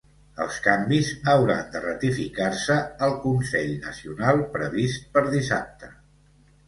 Els canvis hauran de ratificar-se al consell nacional previst per dissabte.